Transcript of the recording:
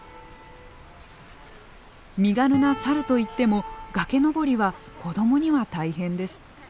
身軽なサルといっても崖登りは子どもには大変です。